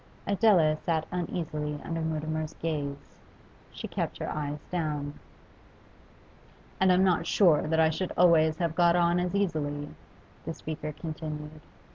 Adela sat uneasily under Mutimer's gaze; she kept her eyes down. 'And I'm not sure that I should always have got on as easily,' the speaker continued.